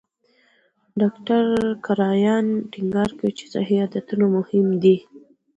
ډاکټر کرایان ټینګار کوي چې صحي عادتونه مهم دي.